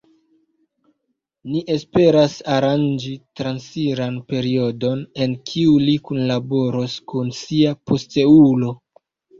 Ni esperas aranĝi transiran periodon en kiu li kunlaboros kun sia posteulo.